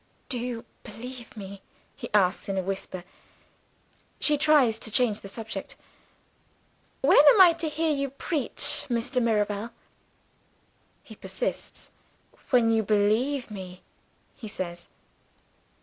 "Do you believe me?" he asks in a whisper. She tries to change the subject. "When am I to hear you preach, Mr. Mirabel?" He persists. "When you believe me," he says.